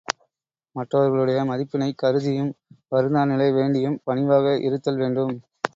மற்றவர்களுடைய மதிப்பினைக் கருதியும் வருந்தா நிலை வேண்டியும் பணிவாக இருத்தல் வேண்டும்.